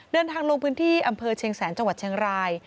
ลงพื้นที่อำเภอเชียงแสนจังหวัดเชียงราย